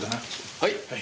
はい。